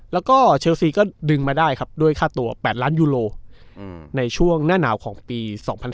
แล้วก็เชลซีก็ดึงมาได้ครับด้วยค่าตัว๘ล้านยูโรในช่วงหน้าหนาวของปี๒๐๑๙